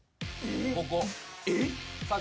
ここ。